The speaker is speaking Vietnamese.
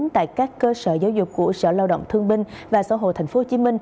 tại các cơ sở giáo dục của sở lao động thương binh và xã hội tp hcm